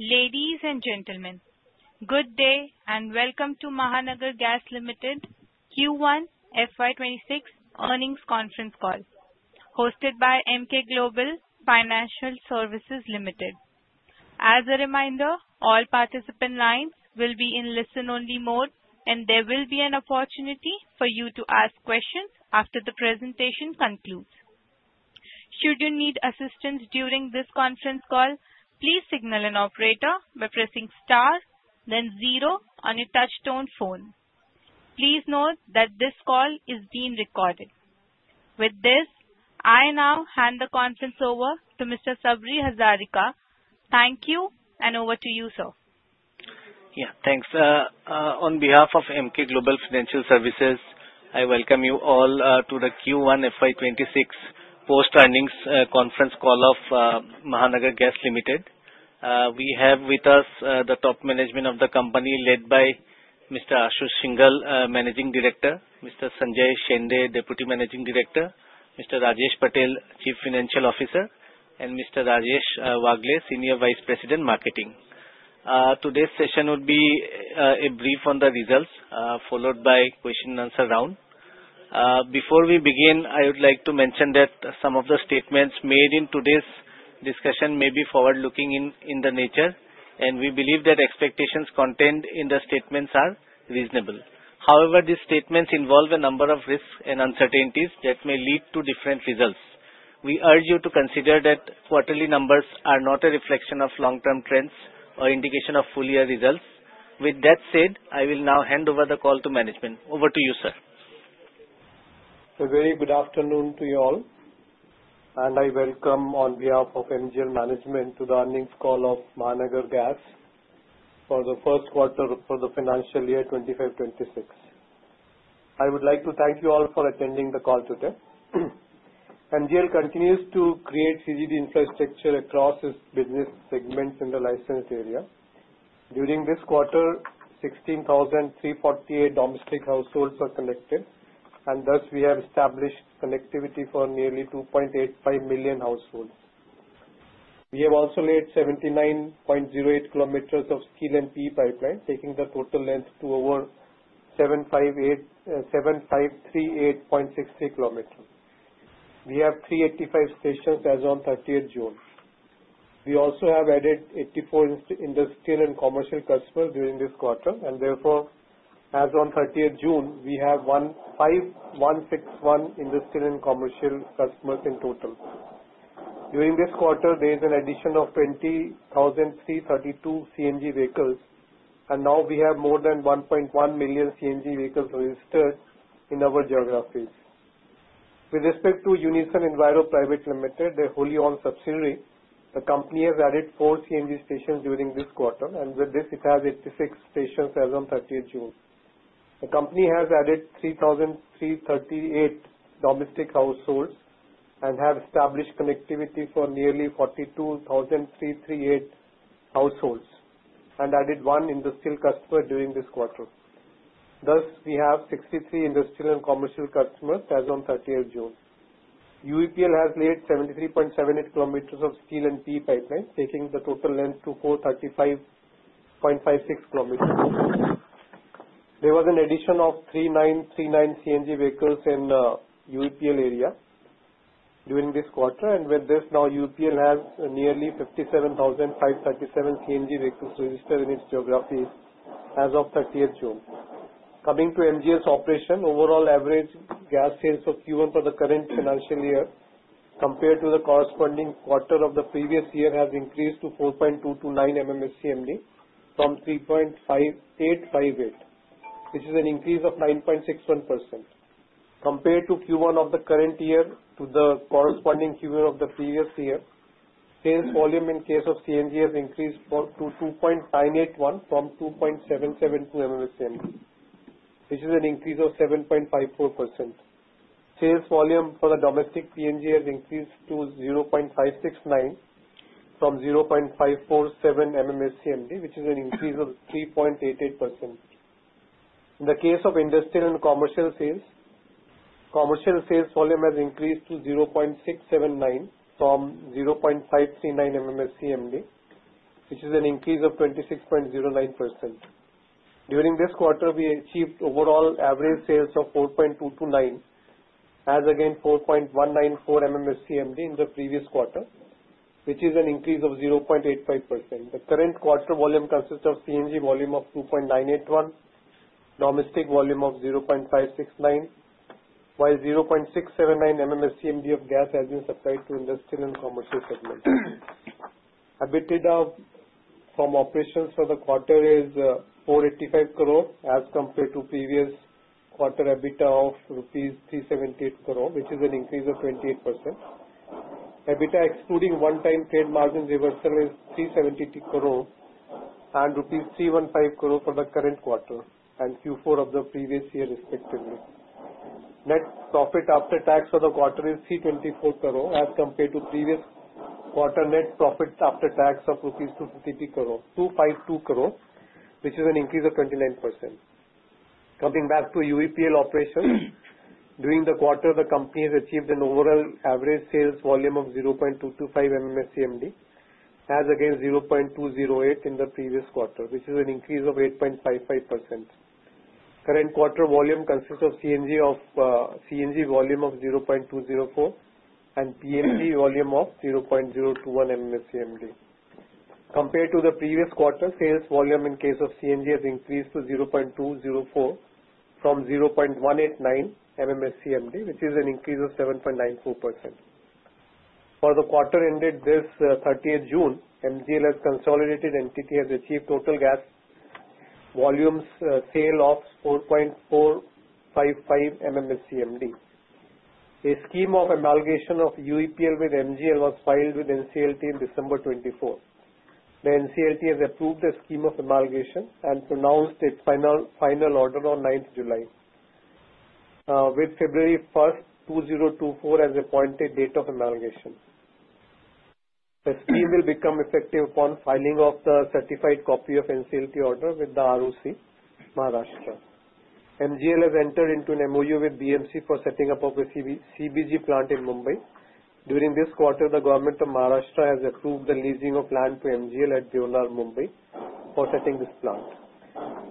Ladies and gentlemen, good day and welcome to Mahanagar Gas Limited Q1 FY 2026 earnings conference call, hosted by Emkay Global Financial Services Limited. As a reminder, all participant lines will be in listen-only mode, and there will be an opportunity for you to ask questions after the presentation concludes. Should you need assistance during this conference call, please signal an operator by pressing star, then zero on your touch-tone phone. Please note that this call is being recorded. With this, I now hand the conference over to Mr. Sabri Hazarika. Thank you, and over to you, sir. Yeah, thanks. On behalf of Emkay Global Financial Services, I welcome you all to the Q1 FY 2026 post-earnings conference call of Mahanagar Gas Limited. We have with us the top management of the company led by Mr. Ashu Shinghal, Managing Director, Mr. Sanjay Shende, Deputy Managing Director, Mr. Rajesh Patel, Chief Financial Officer, and Mr. Rajesh Wagle, Senior Vice President, Marketing. Today's session will be a brief on the results, followed by a question and answer round. Before we begin, I would like to mention that some of the statements made in today's discussion may be forward-looking in nature, and we believe that expectations contained in the statements are reasonable. However, these statements involve a number of risks and uncertainties that may lead to different results. We urge you to consider that quarterly numbers are not a reflection of long-term trends or indication of full-year results. With that said, I will now hand over the call to management. Over to you, sir. A very good afternoon to you all, and I welcome on behalf of MGL Management to the earnings call of Mahanagar Gas for the first quarter for the financial year 2025/2026. I would like to thank you all for attending the call today. MGL continues to create CGD infrastructure across its business segments in the licensed area. During this quarter, 16,348 domestic households were connected, and thus we have established connectivity for nearly 2.85 million households. We have also laid 79.08 km of steel and PE pipeline, taking the total length to over 7,538.63 km. We have 385 stations as of 30th June. We also have added 84 industrial and commercial customers during this quarter, and therefore, as of 30th June, we have 5,161 industrial and commercial customers in total. During this quarter, there is an addition of 20,332 CNG vehicles, and now we have more than 1.1 million CNG vehicles registered in our geographies. With respect to Unison Enviro Private Limited, a wholly-owned subsidiary, the company has added four CNG stations during this quarter, and with this, it has 86 stations as of 30th June. The company has added 3,338 domestic households and has established connectivity for nearly 42,338 households and added one industrial customer during this quarter. Thus, we have 63 industrial and commercial customers as of 30th June. UEPL has laid 73.78 km of steel and PE pipeline, taking the total length to 435.56 km. There was an addition of 3,939 CNG vehicles in the UEPL area during this quarter, and with this, now UEPL has nearly 57,537 CNG vehicles registered in its geographies as of 30th June. Coming to MGL's operation, overall average gas sales of Q1 for the current financial year compared to the corresponding quarter of the previous year has increased to 4.229 MMSCMD from 3.858, which is an increase of 9.61%. Compared to Q1 of the current year to the corresponding Q1 of the previous year, sales volume in case of CNG has increased 2.77 MMSCMD, which is an increase of 7.54%. Sales volume for the domestic PNG has increased 0.569 MMSCMD from 0.547 MMSCMD, which is an increase of 3.88%. In the case of industrial and commercial sales, commercial sales volume has increased to MMSCMD from 0.539 MMSCMD, which is an increase of 26.09%. During this quarter, we achieved overall average sales of 4.229, as again 4.194 MMSCMD in the previous quarter, which is an increase of 0.85%. The current quarter volume consists of CNG volume of 2.981, domestic volume of 0.569, while 0.679 MMSCMD of gas has been supplied to industrial and commercial segments. EBITDA from operations for the quarter is 485 crore as compared to previous quarter EBITDA of rupees 378 crore, which is an increase of 28%. EBITDA excluding one-time trade margin reversal is 370 crore and rupees 315 crore for the current quarter and Q4 of the previous year, respectively. Net profit after tax for the quarter is INR 324 crore as compared to previous quarter net profit after tax of INR 252 crore, which is an increase of 29%. Coming back to UEPL operations, during the quarter, the company has achieved an overall average sales volume of 0.225 MMSCMD, as against 0.208 in the previous quarter, which is an increase of 8.55%. Current quarter volume consists of CNG volume of 0.204 and PNG volume of 0.021 MMSCMD. Compared to the previous quarter, sales volume in case of CNG has increased to MMSCMD from 0.189 MMSCMD, which is an increase of 7.94%. For the quarter ended this 30th June, MGL as a consolidated entity has achieved total gas volume sale of 4.455 MMSCMD. A scheme of amalgamation of UEPL with MGL was filed with NCLT on December 24th. The NCLT has approved the scheme of amalgamation and pronounced a final order on 9th July, with February 1st, 2024, as the appointed date of amalgamation. The scheme will become effective upon filing of the certified copy of NCLT order with the ROC, Maharashtra. MGL has entered into an MOU with BMC for setting up a CBG plant in Mumbai. During this quarter, the government of Maharashtra has approved the leasing of land to MGL at Deonar, Mumbai for setting this plant.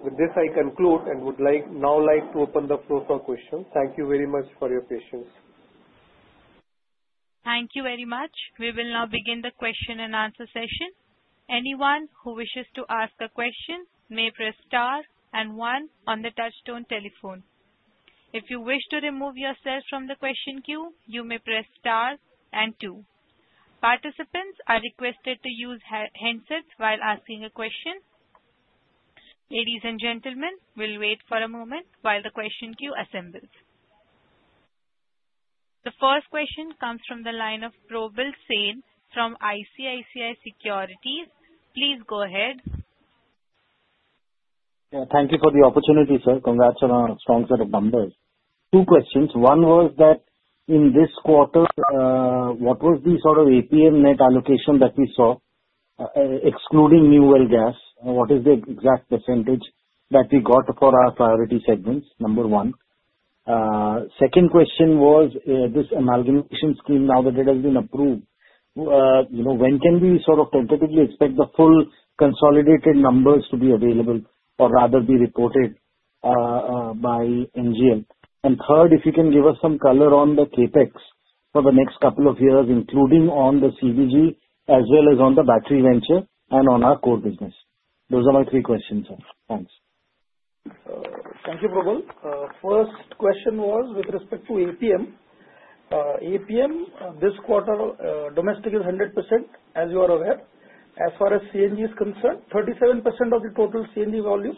With this, I conclude and would now like to open the floor for questions. Thank you very much for your patience. Thank you very much. We will now begin the question and answer session. Anyone who wishes to ask a question may press star and one on the touch-tone telephone. If you wish to remove yourself from the question queue, you may press star and two. Participants are requested to use handsets while asking a question. Ladies and gentlemen, we'll wait for a moment while the question queue assembles. The first question comes from the line of Probal Sen from ICICI Securities. Please go ahead. Yeah, thank you for the opportunity, sir. Congrats on a strong set of numbers. Two questions. One was that in this quarter, what was the sort of APM net allocation that we saw, excluding new well gas? What is the exact percentage that we got for our priority segments, number one? Second question was this amalgamation scheme now that it has been approved, when can we sort of tentatively expect the full consolidated numbers to be available or rather be reported by MGL? And third, if you can give us some color on the CapEx for the next couple of years, including on the CBG as well as on the battery venture and on our core business. Those are my three questions, sir. Thanks. Thank you, Probal. First question was with respect to APM. APM this quarter domestic is 100%, as you are aware. As far as CNG is concerned, 37% of the total CNG volume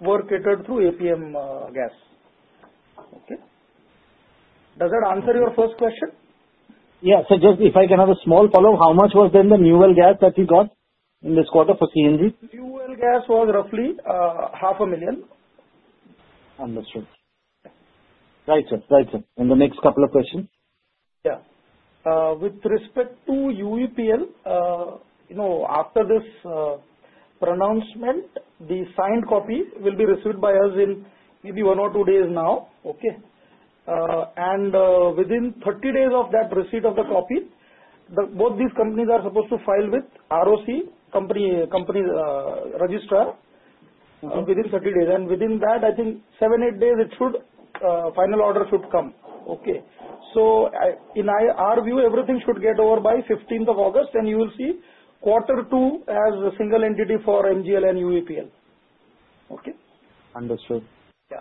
were catered through APM gas. Okay. Does that answer your first question? Yeah, sir, just if I can have a small follow-up, how much was then the new well gas that we got in this quarter for CNG? New Well Gas was roughly 500,000. Understood. Right, sir. Right, sir. And the next couple of questions? Yeah. With respect to UEPL, after this pronouncement, the signed copy will be received by us in maybe one or two days now, okay? And within 30 days of that receipt of the copy, both these companies are supposed to file with ROC, the Registrar of Companies, within 30 days. And within that, I think seven, eight days, the final order should come. Okay. So in our view, everything should get over by 15th of August, and you will see quarter two as a single entity for MGL and UEPL. Okay? Understood. Yeah.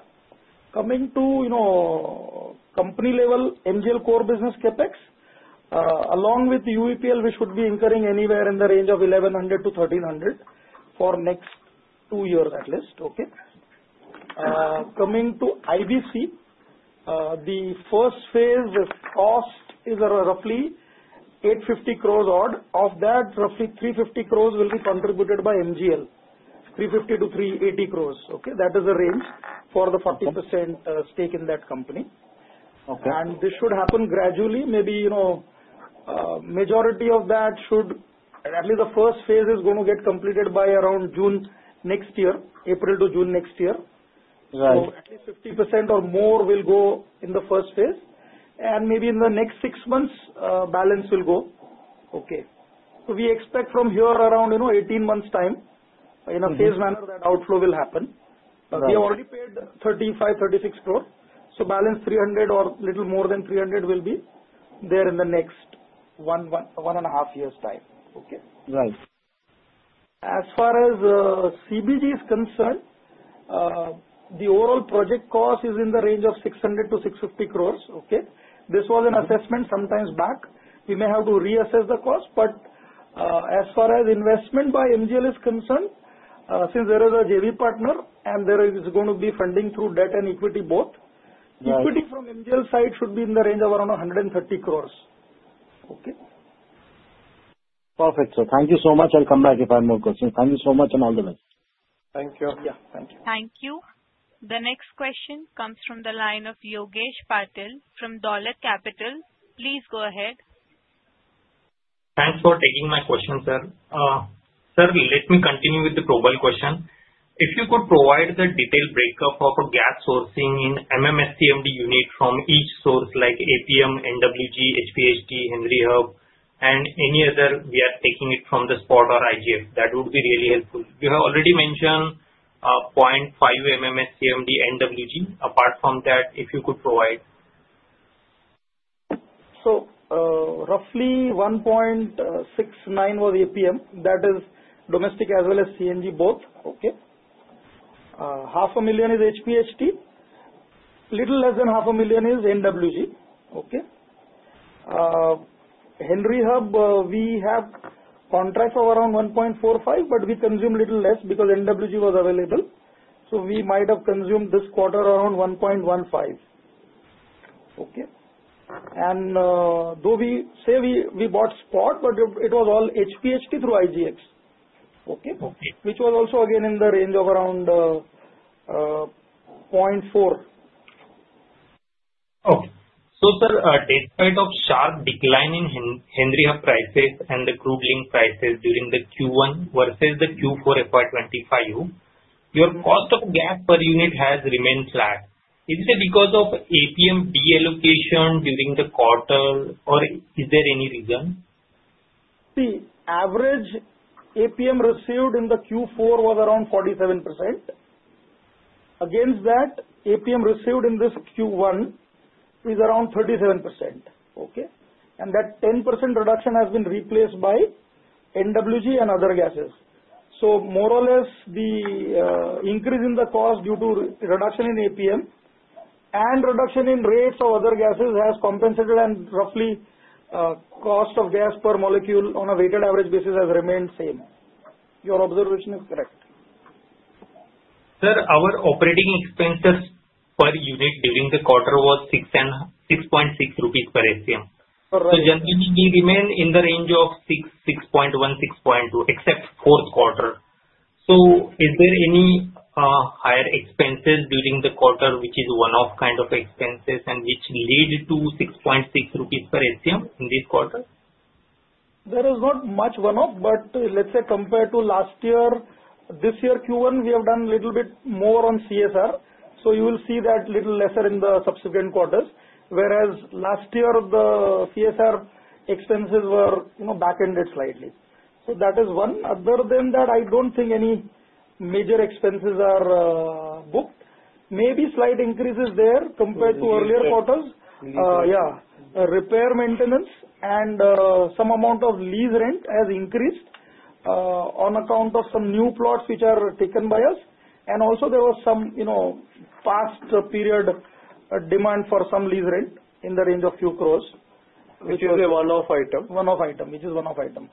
Coming to company level, MGL core business CapEx, along with UEPL, we should be incurring anywhere in the range of 1,100-1,300 for next two years, at least. Okay? Coming to IBC, the first phase cost is roughly 850 crores odd. Of that, roughly 350 crores will be contributed by MGL, 350 crores-380 crores. Okay? That is the range for the 40% stake in that company. And this should happen gradually. Maybe majority of that should at least the first phase is going to get completed by around June next year, April to June next year. So at least 50% or more will go in the first phase. And maybe in the next six months, balance will go. Okay? So we expect from here around 18 months' time, in a phased manner, that outflow will happen. We have already paid 35 crore-36 crore. Balance 300 or a little more than 300 will be there in the next one and a half years' time. Okay? Right. As far as CBG is concerned, the overall project cost is in the range of 600 crore-650 crore. Okay? This was an assessment some time back. We may have to reassess the cost. But as far as investment by MGL is concerned, since there is a JV partner and there is going to be funding through debt and equity both, equity from MGL side should be in the range of around 130 crore. Okay? Perfect, sir. Thank you so much. I'll come back if I have more questions. Thank you so much and all the best. Thank you. Yeah, thank you. Thank you. The next question comes from the line of Yogesh Patil from Dolat Capital. Please go ahead. Thanks for taking my question, sir. Sir, let me continue with the Probal question. If you could provide the detailed breakup of gas sourcing in MMSCMD unit from each source like APM, NWG, HPHT, Henry Hub, and any other we are taking it from the spot or IGX, that would be really helpful. You have already mentioned 0.5 MMSCMD NWG. Apart from that, if you could provide. So roughly 1.69 was APM. That is domestic as well as CNG both. Okay? 500,000 is HPHT. A little less than 500,000 is NWG. Okay? Henry Hub, we have contract of around 1.45, but we consumed a little less because NWG was available. So we might have consumed this quarter around 1.15. Okay? And though we say we bought spot, but it was all HPHT through IGX. Okay? Which was also again in the range of around 0.4. Okay. So sir, despite of sharp decline in Henry Hub prices and the crude link prices during the Q1 versus the Q4 FY 2025, your cost of gas per unit has remained flat. Is it because of APM deallocation during the quarter, or is there any reason? See, average APM received in the Q4 was around 47%. Against that, APM received in this Q1 is around 37%. Okay? And that 10% reduction has been replaced by NWG and other gases. So more or less, the increase in the cost due to reduction in APM and reduction in rates of other gases has compensated, and roughly cost of gas per molecule on a weighted average basis has remained same. Your observation is correct. Sir, our operating expenses per unit during the quarter was 6.6 rupees per SCM. So generally, we remain in the range of 6.1-6.2, except fourth quarter. So is there any higher expenses during the quarter which is one-off kind of expenses and which lead to 6.6 rupees per SCM in this quarter? There is not much one-off, but let's say compared to last year, this year Q1, we have done a little bit more on CSR. So you will see that little lesser in the subsequent quarters. Whereas last year, the CSR expenses were back-ended slightly. So that is one. Other than that, I don't think any major expenses are booked. Maybe slight increases there compared to earlier quarters. Yeah. Repair maintenance and some amount of lease rent has increased on account of some new plots which are taken by us. And also, there was some past period demand for some lease rent in the range of few crores. Which is a one-off item. One-off item, which is one-off item.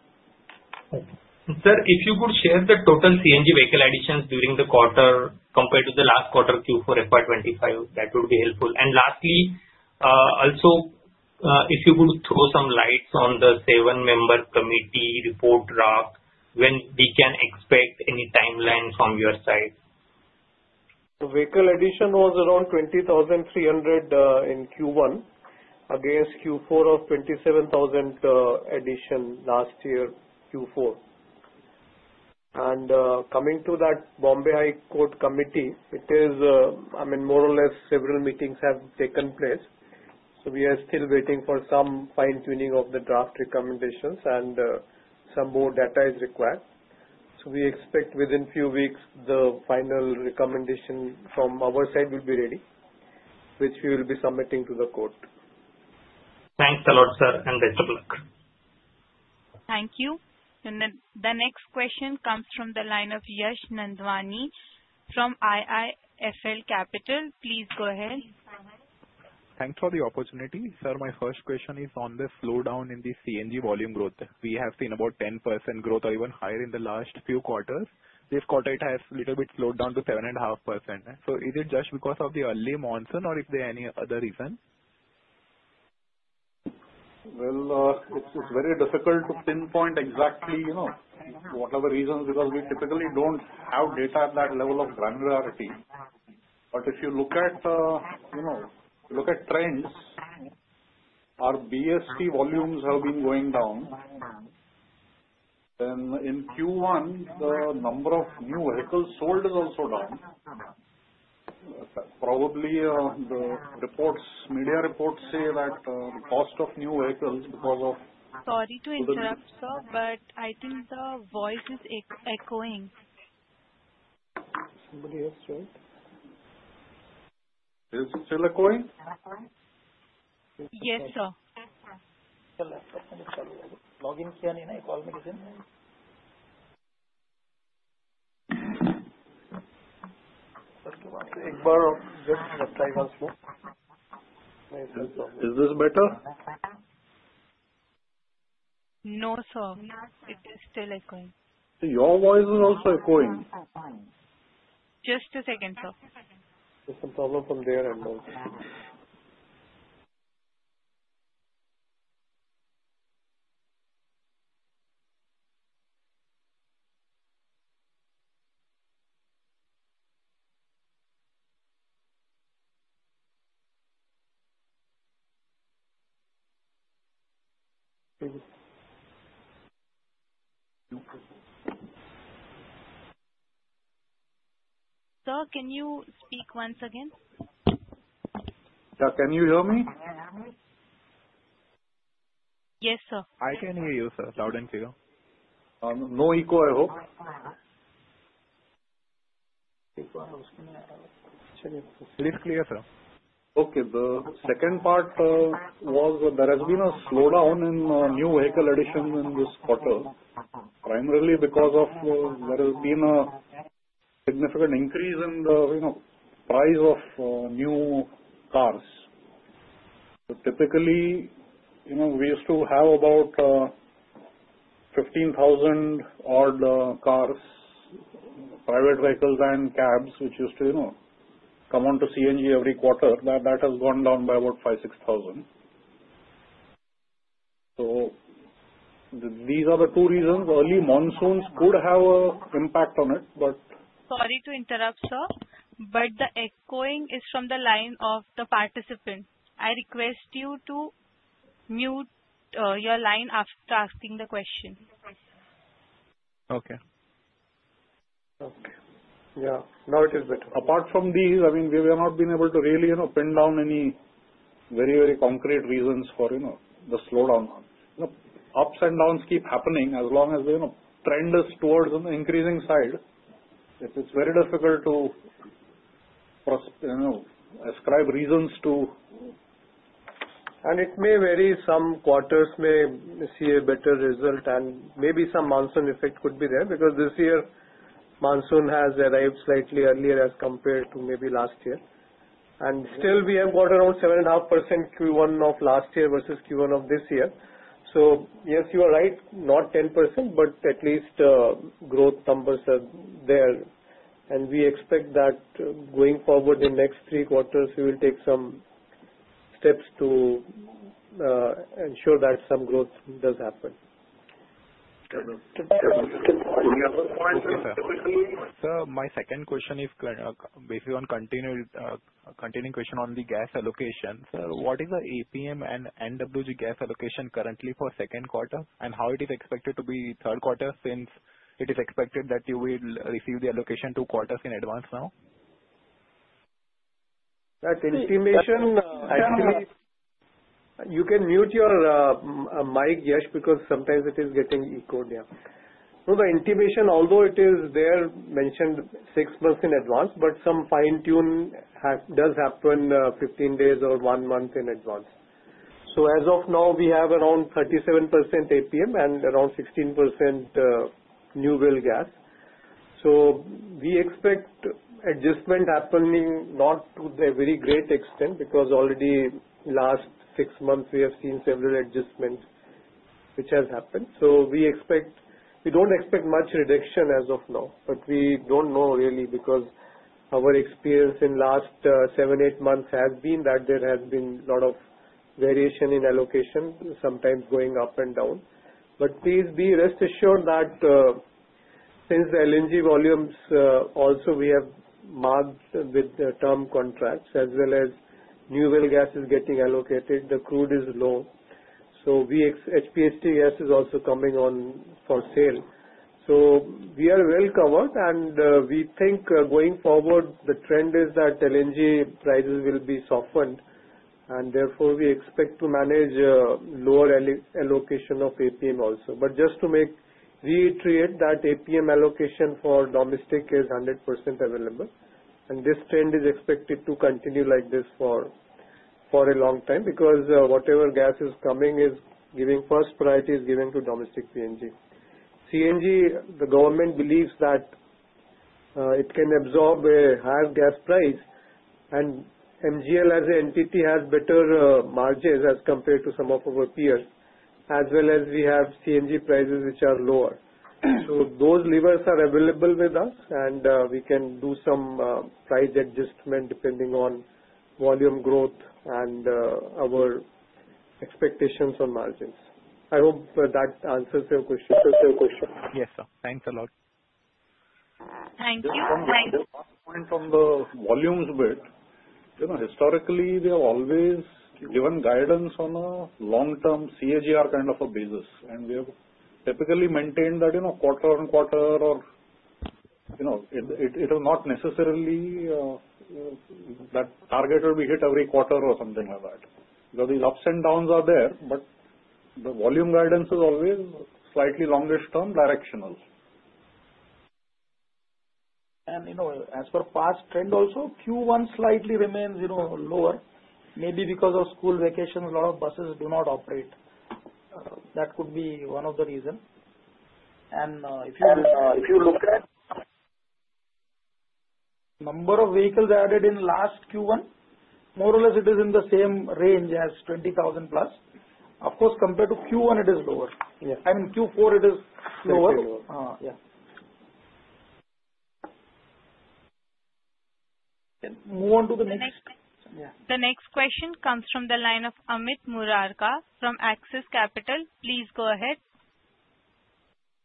Sir, if you could share the total CNG vehicle additions during the quarter compared to the last quarter Q4 FY 2025, that would be helpful. And lastly, also, if you could throw some light on the seven-member committee report draft, when we can expect any timeline from your side? The vehicle addition was around 20,300 in Q1 against Q4 of 27,000 addition last year Q4. Coming to that Bombay High Court committee, it is, I mean, more or less several meetings have taken place. We are still waiting for some fine-tuning of the draft recommendations and some more data is required. We expect within a few weeks, the final recommendation from our side will be ready, which we will be submitting to the court. Thanks a lot, sir, and best of luck. Thank you. And then the next question comes from the line of Yash Nandwani from IIFL Capital. Please go ahead. Thanks for the opportunity. Sir, my first question is on the slowdown in the CNG volume growth. We have seen about 10% growth or even higher in the last few quarters. This quarter, it has a little bit slowed down to 7.5%. So is it just because of the early monsoon, or is there any other reason? It's very difficult to pinpoint exactly whatever reasons, because we typically don't have data at that level of granularity. But if you look at trends, our BEST volumes have been going down, then in Q1, the number of new vehicles sold is also down. Probably the media reports say that the cost of new vehicles because of. Sorry to interrupt, sir, but I think the voice is echoing. Is it still echoing? Yes, sir. Is this better? No, sir. It is still echoing. Your voice is also echoing. Just a second, sir. There's some problem from their end also. Sir, can you speak once again? Can you hear me? Yes, sir. I can hear you, sir, loud and clear. No echo, I hope. It is clear, sir. Okay. The second part was there has been a slowdown in new vehicle additions in this quarter, primarily because of there has been a significant increase in the price of new cars. Typically, we used to have about 15,000 odd cars, private vehicles and cabs, which used to come on to CNG every quarter. That has gone down by about 5,000-6,000. So these are the two reasons. Early monsoons could have an impact on it, but. Sorry to interrupt, sir, but the echoing is from the line of the participant. I request you to mute your line after asking the question. Okay. Okay. Yeah. Now it is better. Apart from these, I mean, we have not been able to really pin down any very, very concrete reasons for the slowdown. Ups and downs keep happening as long as the trend is towards an increasing side. It's very difficult to ascribe reasons to, and it may vary. Some quarters may see a better result, and maybe some monsoon effect could be there, because this year monsoon has arrived slightly earlier as compared to maybe last year, and still, we have got around 7.5% Q1 of last year versus Q1 of this year, so yes, you are right. Not 10%, but at least growth numbers are there, and we expect that going forward in next three quarters, we will take some steps to ensure that some growth does happen. Sir, my second question is basically on continuing question on the gas allocation. Sir, what is the APM and NWG gas allocation currently for second quarter, and how it is expected to be third quarter since it is expected that you will receive the allocation two quarters in advance now? That intimation, actually, you can mute your mic, Yash, because sometimes it is getting echoed here. The intimation, although it is there mentioned six months in advance, but some fine-tune does happen 15 days or one month in advance. As of now, we have around 37% APM and around 16% new well gas. We expect adjustment happening not to a very great extent, because already last six months, we have seen several adjustments which have happened. We don't expect much reduction as of now, but we don't know really, because our experience in last seven, eight months has been that there has been a lot of variation in allocation, sometimes going up and down. Please be rest assured that since the LNG volumes also we have marked with term contracts, as well as new well gas is getting allocated, the crude is low. HPHT gas is also coming on for sale. We are well covered, and we think going forward, the trend is that LNG prices will be softened, and therefore we expect to manage lower allocation of APM also. Just to reiterate that APM allocation for domestic is 100% available. This trend is expected to continue like this for a long time, because whatever gas is coming is giving first priority to domestic PNG. CNG, the government believes that it can absorb a higher gas price, and MGL as an entity has better margins as compared to some of our peers, as well as we have CNG prices which are lower. Those levers are available with us, and we can do some price adjustment depending on volume growth and our expectations on margins. I hope that answers your question. Yes, sir. Thanks a lot. Thank you. From the volumes bit, historically, we have always given guidance on a long-term CAGR kind of a basis. And we have typically maintained that quarter-on-quarter, or it is not necessarily that target will be hit every quarter or something like that. So these ups and downs are there, but the volume guidance is always slightly longer-term directional. And as per past trend also, Q1 slightly remains lower, maybe because of school vacations, a lot of buses do not operate. That could be one of the reasons. And if you look at the number of vehicles added in last Q1, more or less, it is in the same range as 20,000+. Of course, compared to Q1, it is lower. I mean, Q4, it is lower. Yeah. Move on to the next. The next question comes from the line of Amit Murarka from Axis Capital. Please go ahead.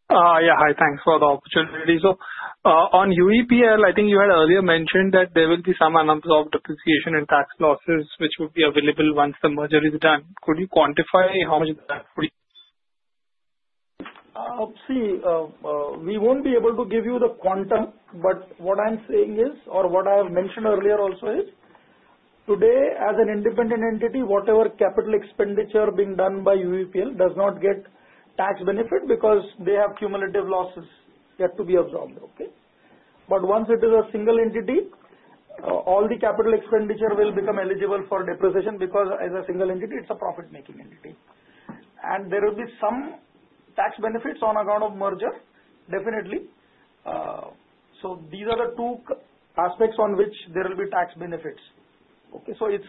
Yeah. Hi. Thanks for the opportunity. So on UEPL, I think you had earlier mentioned that there will be some amounts of depreciation and tax losses which would be available once the merger is done. Could you quantify how much that would be? See, we won't be able to give you the quantum, but what I'm saying is, or what I have mentioned earlier also is, today, as an independent entity, whatever capital expenditure being done by UEPL does not get tax benefit because they have cumulative losses yet to be absorbed. Okay? But once it is a single entity, all the capital expenditure will become eligible for depreciation because as a single entity, it's a profit-making entity. And there will be some tax benefits on account of merger, definitely. So these are the two aspects on which there will be tax benefits. Okay? So it's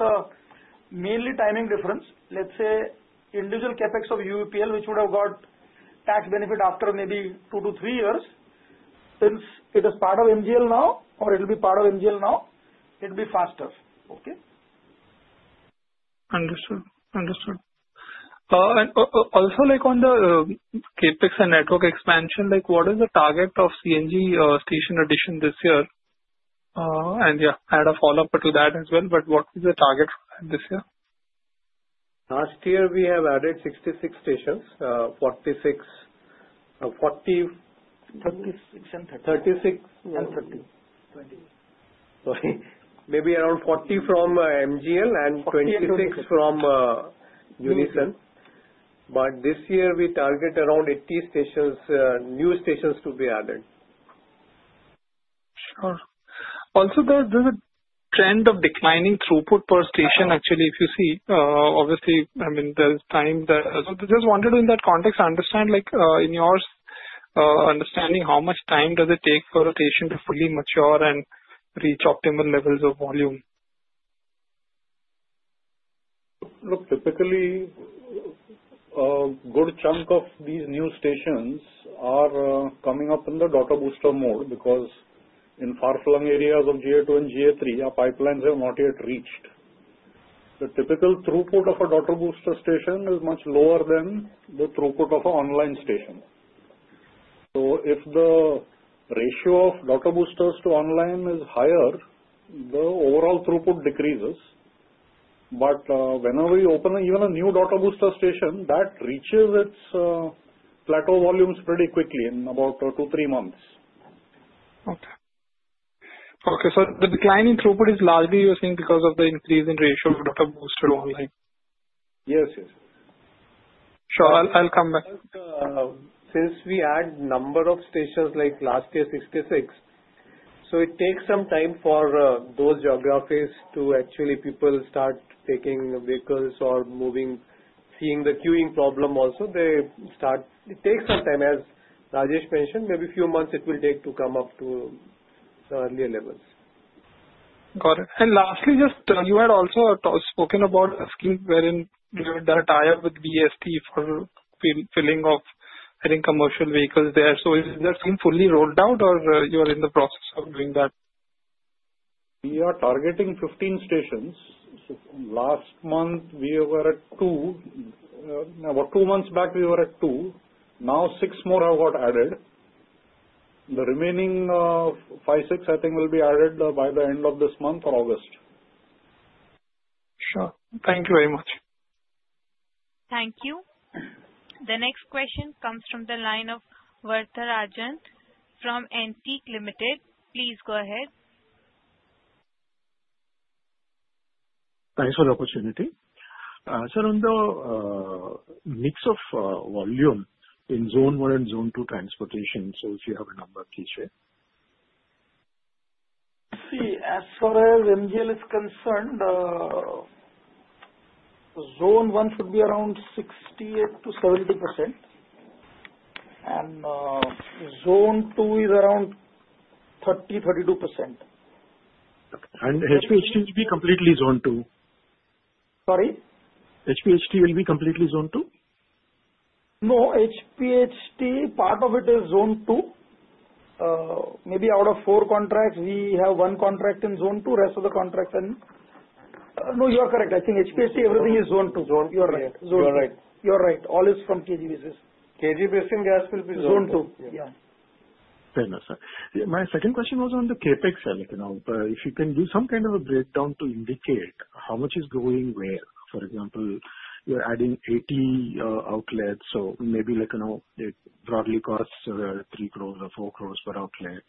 mainly timing difference. Let's say individual CapEx of UEPL, which would have got tax benefit after maybe two to three years, since it is part of MGL now, or it will be part of MGL now, it will be faster. Okay? Understood. Understood. Also, on the CapEx and network expansion, what is the target of CNG station addition this year? And yeah, I had a follow-up to that as well, but what is the target this year? Last year, we have added 66 stations, 46, 40. 36 and 30. Sorry. Maybe around 40 from MGL and 26 from Unison. But this year, we target around 80 new stations to be added. Sure. Also, there's a trend of declining throughput per station, actually, if you see. Obviously, I mean, there's times that. So I just wanted to, in that context, understand, in your understanding, how much time does it take for a station to fully mature and reach optimal levels of volume? Look, typically, a good chunk of these new stations are coming up in the daughter booster mode because in far-flung areas of GA2 and GA3, our pipelines have not yet reached. The typical throughput of a daughter booster station is much lower than the throughput of an online station. So if the ratio of daughter boosters to online is higher, the overall throughput decreases. But whenever we open even a new daughter booster station, that reaches its plateau volumes pretty quickly in about two, three months. Okay. Okay. So the declining throughput is largely, you're saying, because of the increase in ratio of daughter booster to online? Yes, yes. Sure. I'll come back. Since we add number of stations like last year, 66, so it takes some time for those geographies to actually people start taking vehicles or moving, seeing the queuing problem also. It takes some time. As Rajesh mentioned, maybe a few months it will take to come up to the earlier levels. Got it. And lastly, just you had also spoken about a deal wherein you have the tie-up with BEST for filling up and adding commercial vehicles there. So is that tie-up fully rolled out, or you are in the process of doing that? We are targeting 15 stations. Last month, we were at two. About two months back, we were at two. Now six more have got added. The remaining five, six, I think, will be added by the end of this month or August. Sure. Thank you very much. Thank you. The next question comes from the line of Varatharajan from Antique Limited. Please go ahead. Thanks for the opportunity. Sir, on the mix of volume in Zone 1 and Zone 2 transportation, so if you have a number, please share. See, as far as MGL is concerned, Zone 1 should be around 68%-70%, and Zone 2 is around 30%-32%. HPHT will be completely Zone 2? Sorry? HPHT will be completely Zone 2? No, HPHT, part of it is Zone 2. Maybe out of four contracts, we have one contract in Zone 2, rest of the contracts are in. No, you are correct. I think HPHT, everything is Zone 2. You are right. All is from KG Basins. KG Basin and gas will be Zone 2. Zone two. Yeah. Fair enough, sir. My second question was on the CapEx side. If you can do some kind of a breakdown to indicate how much is going where. For example, you're adding 80 outlets, so maybe broadly costs 3 crores or 4 crores per outlet.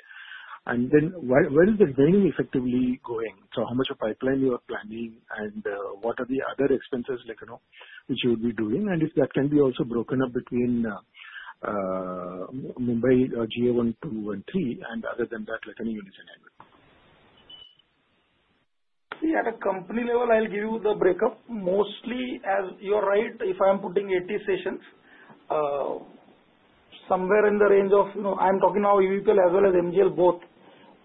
And then where is the drain effectively going? So how much of pipeline you are planning, and what are the other expenses which you would be doing? And if that can be also broken up between Mumbai GA1, GA2, GA3, and other than that, like any Unison? See, at a company level, I'll give you the breakup. Mostly, as you are right, if I'm putting 80 stations, somewhere in the range of I'm talking now UEPL as well as MGL both,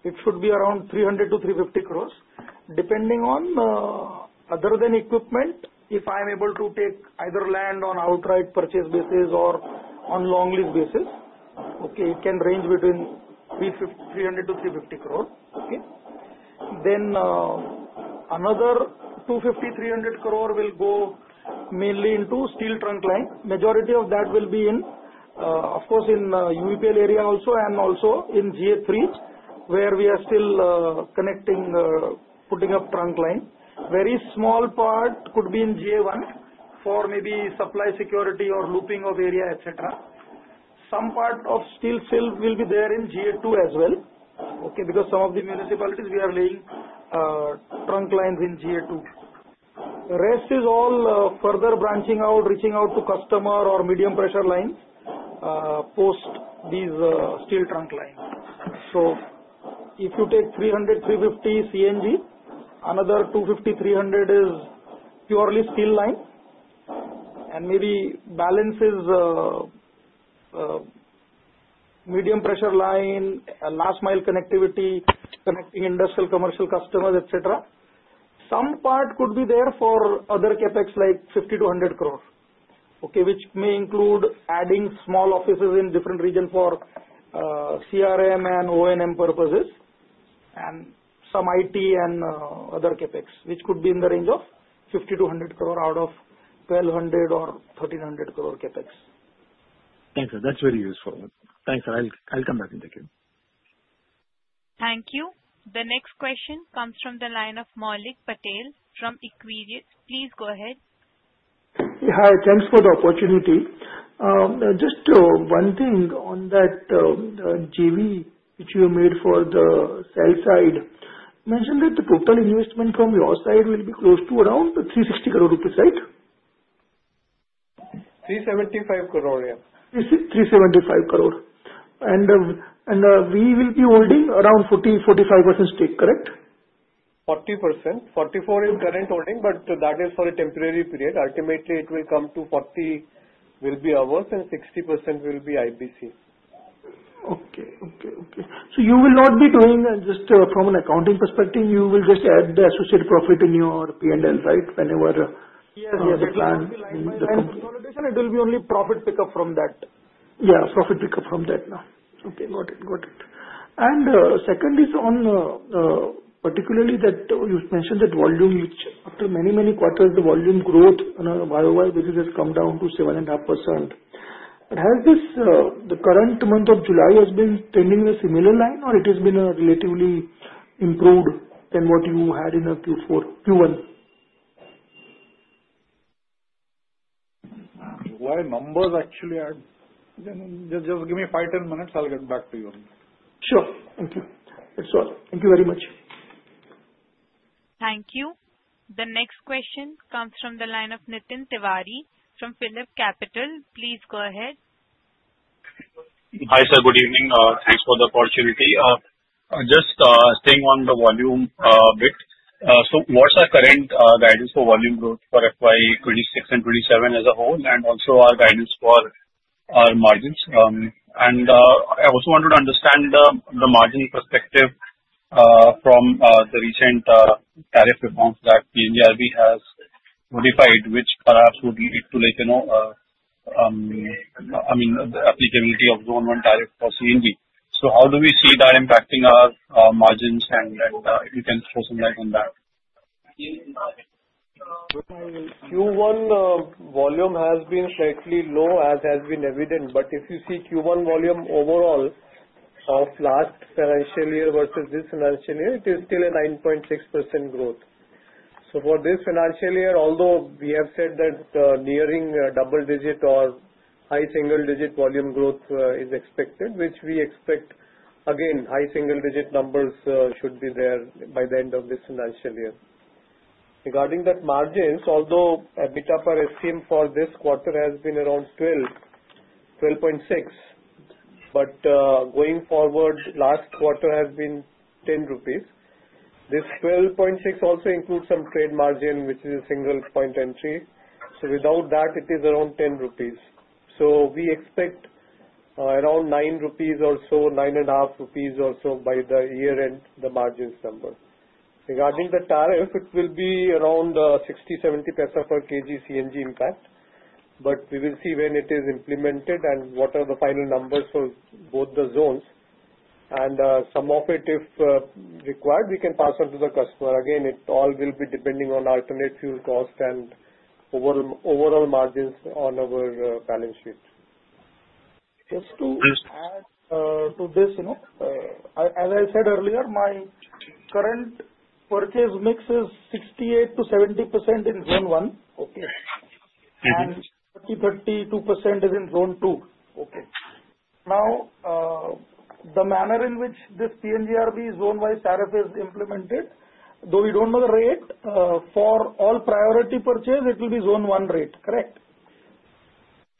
it should be around 300-350 crores. Depending on other than equipment, if I'm able to take either land on outright purchase basis or on long lease basis, okay, it can range between 300 crores-350 crores. Okay? Then another 250 crores-300 crores will go mainly into steel trunk line. Majority of that will be, of course, in UEPL area also, and also in GA3, where we are still putting up trunk line. Very small part could be in GA1 for maybe supply security or looping of area, etc. Some part of steel still will be there in GA2 as well, okay, because some of the municipalities we are laying trunk lines in GA2. The rest is all further branching out, reaching out to customer or medium pressure lines post these steel trunk lines. So if you take 300 CNG-350 CNG, another 250-300 is purely steel line, and maybe balance is medium pressure line, last mile connectivity, connecting industrial, commercial customers, etc. Some part could be there for other CapEx like 50 crores-100 crores, okay, which may include adding small offices in different region for CRM and ONM purposes, and some IT and other CapEx, which could be in the range of 50 crores-100 crores out of 1,200 crore or 1,300 crores CapEx. Thanks, sir. That's very useful. Thanks, sir. I'll come back in the queue. Thank you. The next question comes from the line of Maulik Patel from Equirius. Please go ahead. Hi. Thanks for the opportunity. Just one thing on that GV which you made for the sales side. You mentioned that the total investment from your side will be close to around 360 crores rupees, right? 375 crores, yeah. 375 crore. We will be holding around 40%-45% stake, correct? 40%. 44% is current holding, but that is for a temporary period. Ultimately, it will come to 40% will be ours, and 60% will be IBC. Okay. So you will not be doing just from an accounting perspective, you will just add the associated profit in your P&L, right, whenever you have a plant in the company? Yes. Yes. It will be only profit pickup from that. Yeah. Profit pickup from that now. Okay. Got it. Got it. And second is on particularly that you mentioned that volume, which after many, many quarters, the volume growth, why which has come down to 7.5%. Has the current month of July been spending a similar line, or it has been relatively improved than what you had in Q1? Why, numbers actually are just... give me five, 10 minutes. I'll get back to you. Sure. Okay. That's all. Thank you very much. Thank you. The next question comes from the line of Nitin Tiwari from PhillipCapital. Please go ahead. Hi, sir. Good evening. Thanks for the opportunity. Just staying on the volume bit. So what's our current guidance for volume growth for FY 2026 and 2027 as a whole, and also our guidance for our margins? And I also wanted to understand the margin perspective from the recent tariff reforms that PNGRB has notified, which perhaps would lead to, I mean, the applicability of Zone 1 tariff for CNG. So how do we see that impacting our margins, and if you can share some guidance on that? Q1 volume has been slightly low, as has been evident. But if you see Q1 volume overall of last financial year versus this financial year, it is still a 9.6% growth. So for this financial year, although we have said that nearing double digit or high single digit volume growth is expected, which we expect, again, high single digit numbers should be there by the end of this financial year. Regarding that margins, although EBITDA per SCM for this quarter has been around 12.6, but going forward, last quarter has been 10 rupees. This 12.6 also includes some trade margin, which is a single point entry. So without that, it is around 10 rupees. So we expect around 9 rupees or so, 9.5 rupees or so by the year-end, the margins number. Regarding the tariff, it will be around 60 paisa-INR 70 paisa per kg CNG impact, but we will see when it is implemented and what are the final numbers for both the zones. And some of it, if required, we can pass on to the customer. Again, it all will be depending on alternate fuel cost and overall margins on our balance sheet. Just to add to this, as I said earlier, my current purchase mix is 68%-70% in Zone 1. Okay? And 30%-32% is in Zone 2. Okay? Now, the manner in which this PNGRB zone-wise tariff is implemented, though we don't know the rate, for all priority purchase, it will be Zone 1 rate, correct?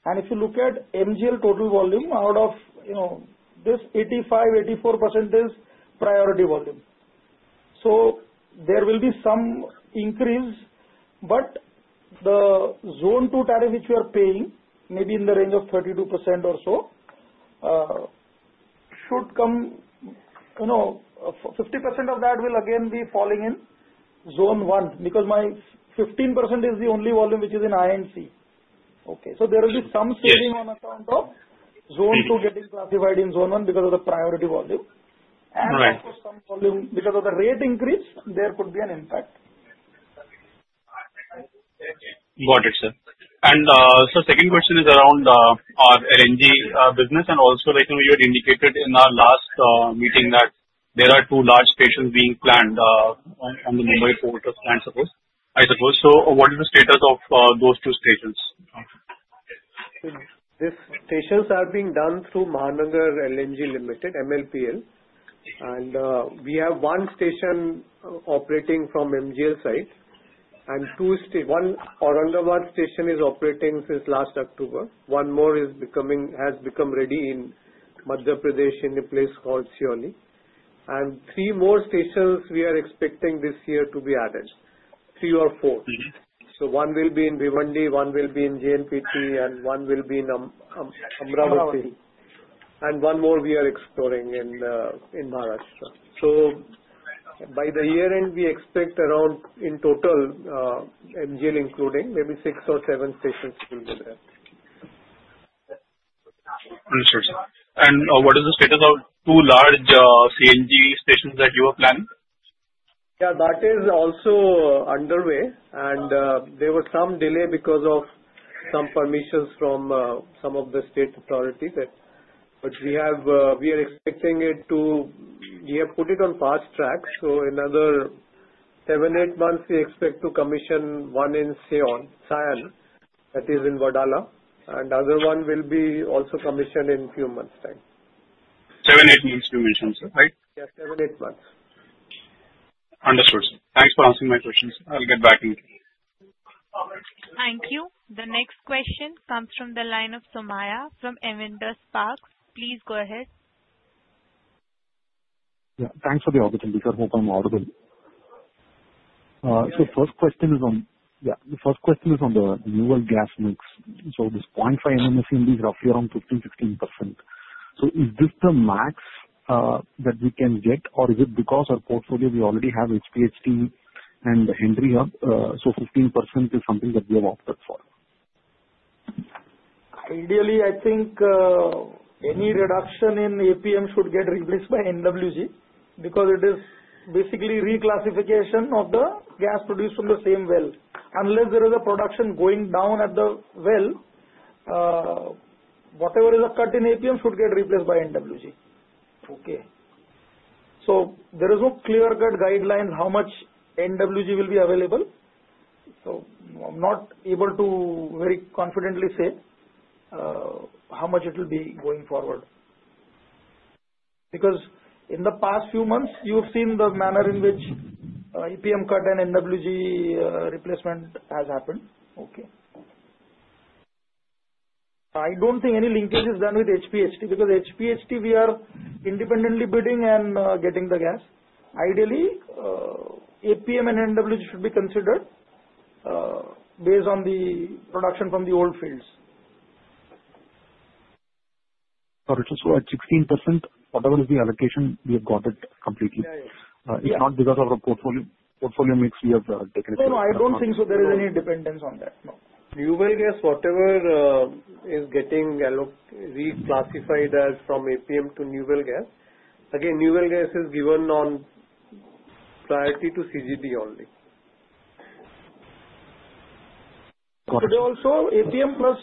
And if you look at MGL total volume out of this 84%-85% is priority volume. So there will be some increase, but the Zone 2 tariff which we are paying, maybe in the range of 32% or so, should come 50% of that will again be falling in Zone 1 because my 15% is the only volume which is in INC. Okay? So there will be some saving on account of Zone 2 getting classified in Zone 1 because of the priority volume. Also some volume because of the rate increase, there could be an impact. Got it, sir. And so second question is around our LNG business, and also you had indicated in our last meeting that there are two large stations being planned on the Mumbai port of JNPT, I suppose. So what is the status of those two stations? These stations are being done through Mahanagar LNG Limited, MLPL, and we have one station operating from MGL side, and one Aurangabad station is operating since last October. One more has become ready in Madhya Pradesh in a place called Seoni, and three more stations we are expecting this year to be added, three or four, so one will be in Bhiwandi, one will be in JNPT, and one will be in Amravati, and one more we are exploring in Maharashtra, so by the year-end, we expect around in total, MGL including, maybe six or seven stations will be there. Understood, sir. And what is the status of two large CNG stations that you are planning? Yeah. That is also underway, and there was some delay because of some permissions from some of the state authorities. But we are expecting it to. We have put it on fast track. In another seven, eight months, we expect to commission one in Sion, that is in Wadala. The other one will be also commissioned in a few months' time. Seven, eight months you mentioned, sir, right? Yeah. Seven, eight months. Understood, sir. Thanks for answering my questions. I'll get back in. Thank you. The next question comes from the line of Somaiah from Avendus Spark. Please go ahead. Yeah. Thanks. I hope I'm audible. So the first question is on the renewable gas mix. So this 0.5 MMSCMD is roughly around 15%-16%. So is this the max that we can get, or is it because our portfolio, we already have HPHT and Henry Hub, so 15% is something that we have opted for? Ideally, I think any reduction in APM should get replaced by NWG because it is basically reclassification of the gas produced from the same well. Unless there is a production going down at the well, whatever is a cut in APM should get replaced by NWG. Okay? So there is no clear-cut guidelines how much NWG will be available. So I'm not able to very confidently say how much it will be going forward. Because in the past few months, you have seen the manner in which APM cut and NWG replacement has happened. Okay? I don't think any linkage is done with HPHT because HPHT we are independently bidding and getting the gas. Ideally, APM and NWG should be considered based on the production from the old fields. Got it. So at 16%, whatever is the allocation, we have got it completely. It's not because of our portfolio mix we have taken into account. No, no. I don't think so there is any dependence on that. No. New Well Gas, whatever is getting reclassified as from APM to New Well Gas, again, New Well Gas is given on priority to CGD only. Got it. Today also, APM plus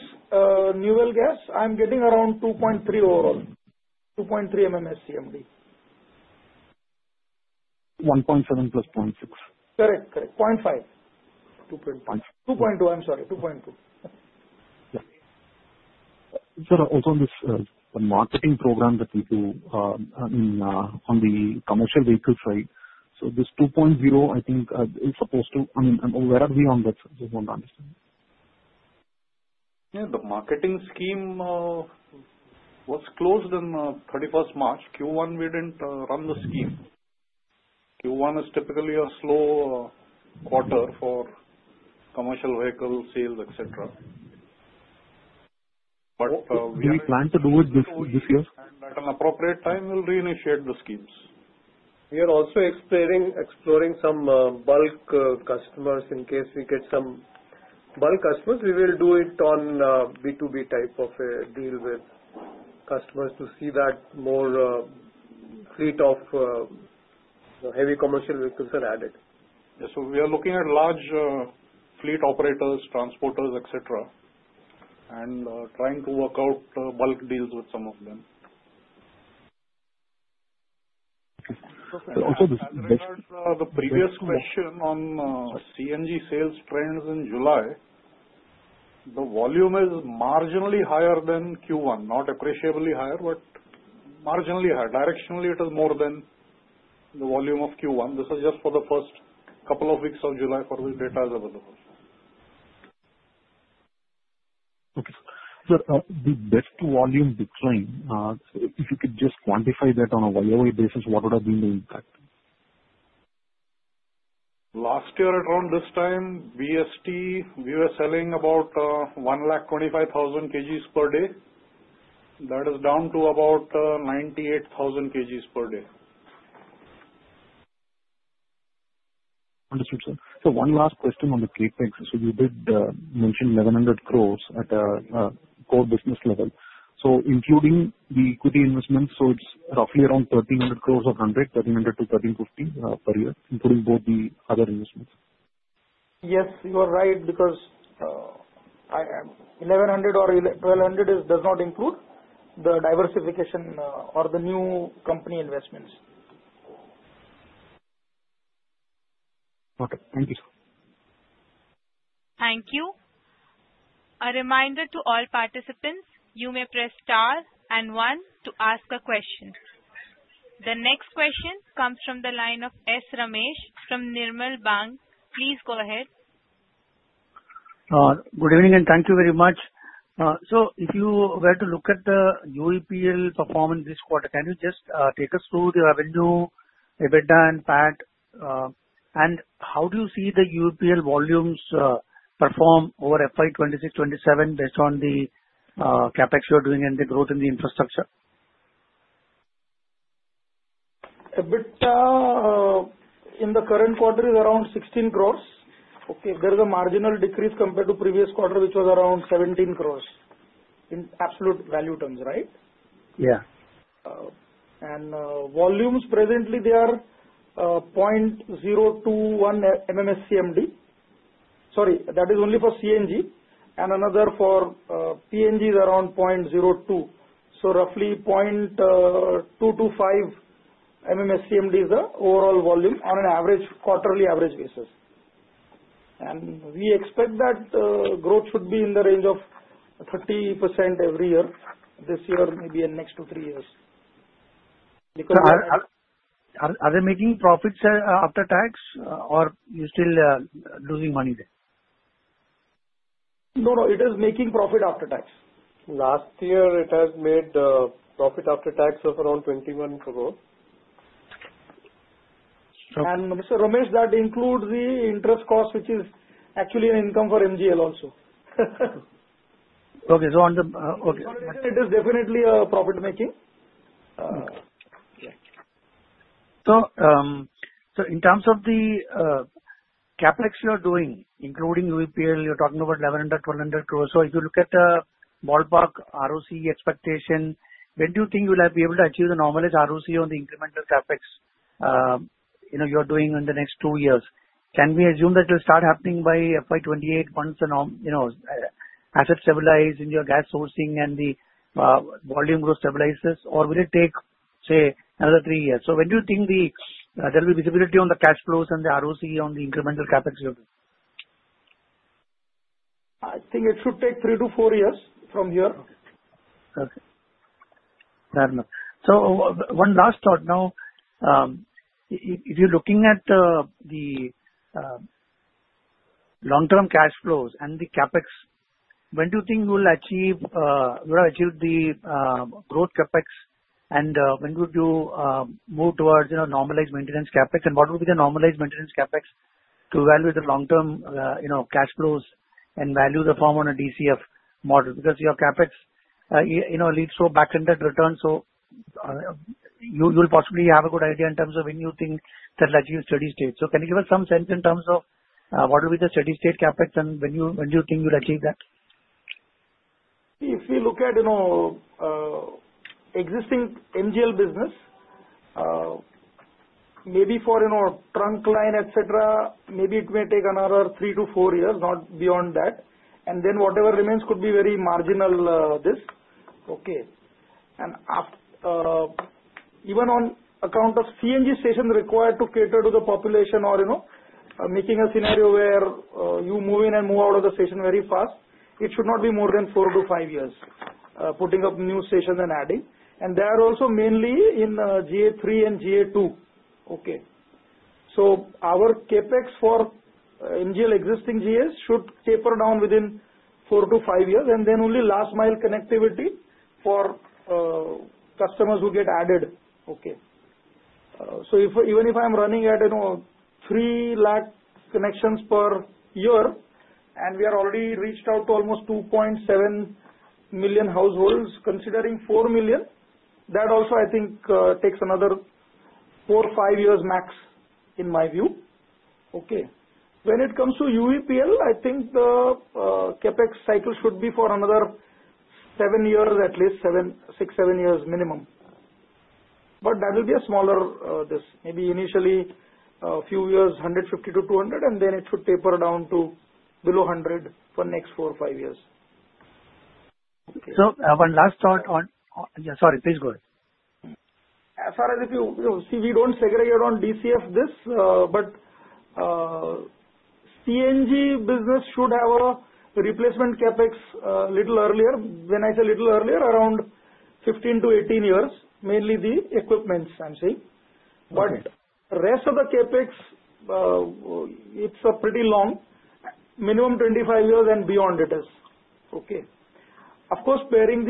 new well gas, I'm getting around 2.3 overall, 2.3 MMSCMD. 1.7 + 0.6. Correct. Correct. 0.5. 2.2. I'm sorry. 2.2. Yeah. Sir, also on this marketing program that we do on the commercial vehicle side, so this 2.0, I think it's supposed to I mean, where are we on that? I just want to understand. Yeah. The marketing scheme was closed on 31st March. Q1, we didn't run the scheme. Q1 is typically a slow quarter for commercial vehicle sales, etc. But we are. We plan to do it this year? At an appropriate time, we'll reinitiate the schemes. We are also exploring some bulk customers. In case we get some bulk customers, we will do it on B2B type of a deal with customers to see that more fleet of heavy commercial vehicles are added. Yeah. So we are looking at large fleet operators, transporters, etc., and trying to work out bulk deals with some of them. So in regards to the previous question on CNG sales trends in July, the volume is marginally higher than Q1, not appreciably higher, but marginally higher. Directionally, it is more than the volume of Q1. This is just for the first couple of weeks of July for the data as available. Okay. Sir, the BEST volume decline, if you could just quantify that on a YoY basis, what would have been the impact? Last year, at around this time, we were selling about 125,000 kgs per day. That is down to about 98,000 kgs per day. Understood, sir. So one last question on the CapEx. So you did mention 1,100 crores at a core business level. So including the equity investments, so it's roughly around 1,300 crores, 1,300 crore-1,350 crore per year, including both the other investments. Yes. You are right because 1,100 or 1,200 does not include the diversification or the new company investments. Got it. Thank you, sir. Thank you. A reminder to all participants, you may press star and one to ask a question. The next question comes from the line of S. Ramesh from Nirmal Bang. Please go ahead. Good evening and thank you very much. So if you were to look at the UEPL performance this quarter, can you just take us through the revenue, EBITDA, and PAT? And how do you see the UEPL volumes perform over FY 2026, 2027 based on the CapEx you are doing and the growth in the infrastructure? EBITDA in the current quarter is around 16 crores. Okay? There is a marginal decrease compared to previous quarter, which was around 17 crores in absolute value terms, right? Yeah. Volumes presently, they are 0.021 MMSCMD. Sorry. That is only for CNG. And another for PNG is around 0.02. So roughly 0.225 MMSCMD is the overall volume on a quarterly average basis. We expect that growth should be in the range of 30% every year, this year, maybe in next two to three years. Are they making profits after tax or you're still losing money there? No, no. It is making profit after tax. Last year, it has made profit after tax of around 21 crores. And Mr. Ramesh, that includes the interest cost, which is actually an income for MGL also. Okay. So on the. It is definitely profit-making. So in terms of the CapEx you are doing, including UEPL, you're talking about 1,100 crore-1,200 crore. So if you look at the ballpark ROC expectation, when do you think you will be able to achieve the normalized ROC on the incremental CapEx you are doing in the next two years? Can we assume that it will start happening by FY 2028 once the assets stabilize in your gas sourcing and the volume growth stabilizes, or will it take, say, another three years? So when do you think there will be visibility on the cash flows and the ROC on the incremental CapEx? I think it should take three to four years from here. Okay. Fair enough. So one last thought. Now, if you're looking at the long-term cash flows and the CapEx, when do you think you will achieve the growth CapEx and when would you move towards normalized maintenance CapEx? And what would be the normalized maintenance CapEx to evaluate the long-term cash flows and values that form on a DCF model? Because your CapEx leads to a back-end returns, so you'll possibly have a good idea in terms of when you think that you'll achieve steady state. So can you give us some sense in terms of what will be the steady state CapEx and when do you think you'll achieve that? If we look at existing MGL business, maybe for trunk line, etc., maybe it may take another three to four years, not beyond that. And then whatever remains could be very marginal, this. Okay? And even on account of CNG stations required to cater to the population or making a scenario where you move in and move out of the station very fast, it should not be more than four to five years putting up new stations and adding. And they are also mainly in GA3 and GA2. Okay? So our CapEx for MGL existing GAs should taper down within four to five years, and then only last-mile connectivity for customers who get added. Okay? So even if I'm running at 3 lakh connections per year, and we have already reached out to almost 2.7 million households, considering 4 million, that also, I think, takes another four or five years max in my view. Okay? When it comes to UEPL, I think the CapEx cycle should be for another seven years at least, six, seven years minimum. But that will be a smaller this. Maybe initially a few years, 150-200, and then it should taper down to below 100 for the next four or five years. So one last thought on yeah. Sorry. Please go ahead. As far as if you see, we don't segregate on DCF this, but CNG business should have a replacement CapEx a little earlier. When I say a little earlier, around 15-18 years, mainly the equipment, I'm saying. But the rest of the CapEx, it's pretty long, minimum 25 years and beyond it is. Okay? Of course, repairing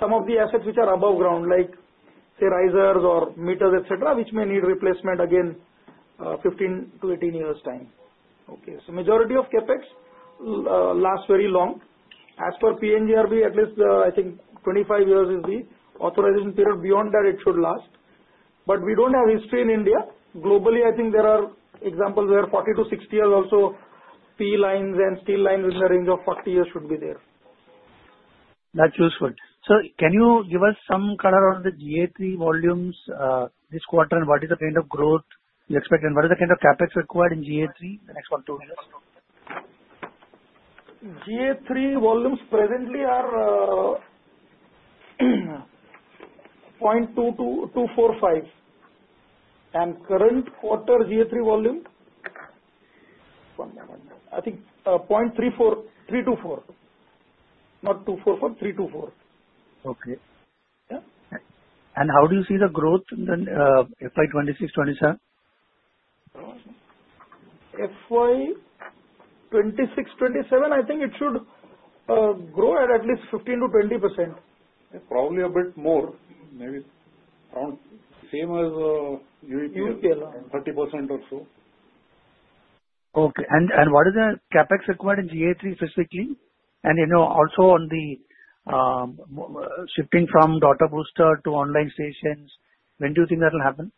some of the assets which are above ground, like say risers or meters, etc., which may need replacement again 15-18 years' time. Okay? So majority of CapEx lasts very long. As for PNGRB, at least, I think 25 years is the authorization period. Beyond that, it should last. But we don't have history in India. Globally, I think there are examples where 40-60 years also PE lines and steel lines in the range of 40 years should be there. That's useful. So can you give us some color on the GA3 volumes this quarter and what is the kind of growth you expect? And what is the kind of CapEx required in GA3 in the next one or two years? GA3 volumes presently are 0.2245. Current quarter GA3 volume, I think 0.324, not 244, 324. Okay, and how do you see the growth in the FY 2026, 2027? FY 2026, 2027, I think it should grow at least 15%-20%. Probably a bit more, maybe around the same as UEPL, 30% or so. Okay. And what is the CapEx required in GA3 specifically? And also on the shifting from daughter booster to online stations, when do you think that will happen?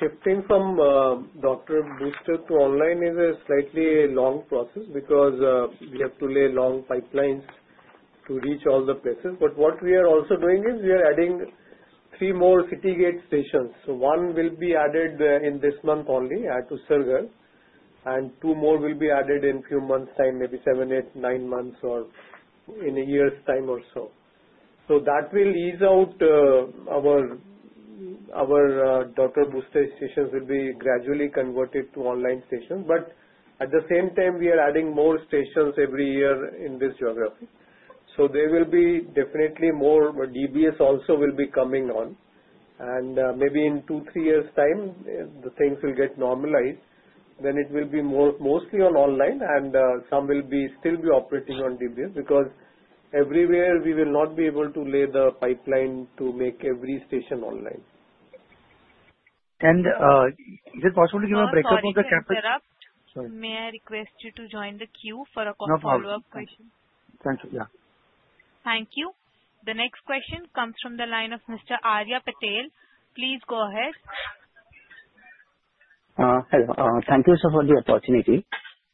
Shifting from daughter booster to online is a slightly long process because we have to lay long pipelines to reach all the places. But what we are also doing is we are adding three more city gate stations. So one will be added in this month only to Sion, and two more will be added in a few months' time, maybe seven, eight, nine months, or in a year's time or so. So that will ease out our daughter booster stations will be gradually converted to online stations. But at the same time, we are adding more stations every year in this geography. So there will be definitely more DBS also will be coming on. And maybe in two, three years' time, the things will get normalized. Then it will be mostly online, and some will still be operating on DBS because everywhere we will not be able to lay the pipeline to make every station online. Is it possible to give a breakup of the CapEx? Sorry. May I request you to join the queue for a quick follow-up question? No problem. Thank you. Yeah. Thank you. The next question comes from the line of Mr. Arya Patel. Please go ahead. Hello. Thank you, sir, for the opportunity.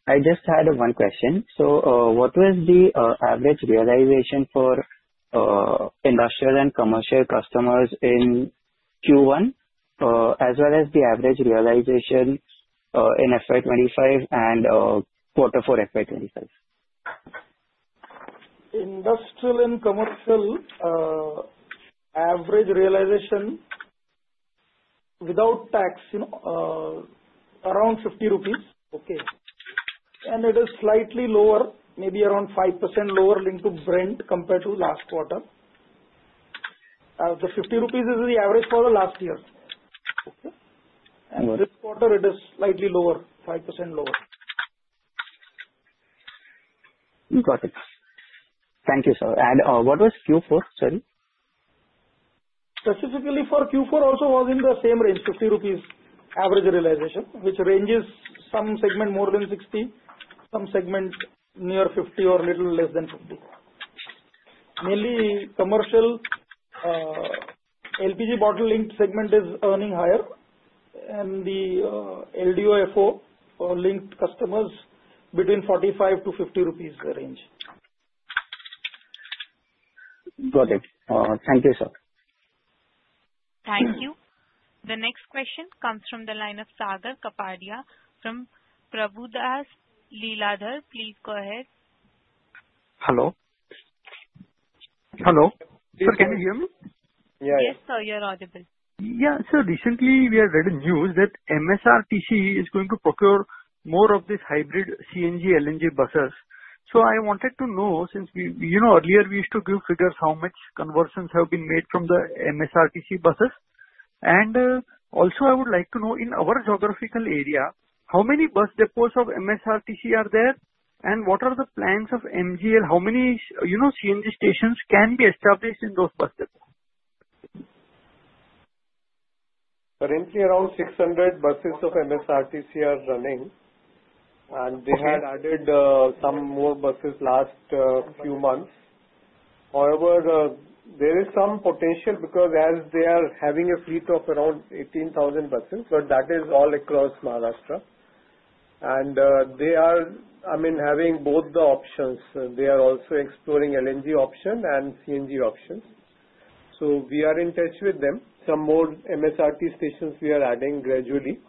I just had one question. So what was the average realization for industrial and commercial customers in Q1 as well as the average realization in FY 2025 and quarter four FY 2025? Industrial and commercial average realization without tax around 50 rupees. Okay? And it is slightly lower, maybe around 5% lower linked to Brent compared to last quarter. The 50 rupees is the average for the last year. Okay? And this quarter, it is slightly lower, 5% lower. Got it. Thank you, sir. And what was Q4? Sorry. Specifically for Q4 also was in the same range, 50 rupees average realization, which ranges some segment more than 60, some segment near 50 or a little less than 50. Mainly commercial LPG bottle linked segment is earning higher, and the LDO-FO linked customers between 45-50 rupees range. Got it. Thank you, sir. Thank you. The next question comes from the line of Sagar Kapadia from Prabhudas Lilladher. Please go ahead. Hello. Hello. Sir, can you hear me? Yeah. Yes, sir. You're audible. Yeah. Sir, recently, we had read in news that MSRTC is going to procure more of these hybrid CNG LNG buses. So I wanted to know, since earlier we used to give figures how much conversions have been made from the MSRTC buses. And also, I would like to know in our geographical area how many bus depots of MSRTC are there and what are the plans of MGL, how many CNG stations can be established in those bus depots? Currently, around 600 buses of MSRTC are running, and they had added some more buses last few months. However, there is some potential because as they are having a fleet of around 18,000 buses, but that is all across Maharashtra. And they are, I mean, having both the options. They are also exploring LNG option and CNG option. So we are in touch with them. Some more MSRTC stations we are adding gradually.